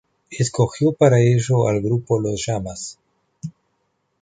Escogió para ello al grupo Los Llamas.